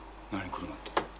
車って。